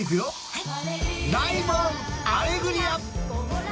はい。